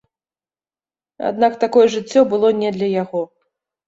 Аднак такое жыццё было не для яго.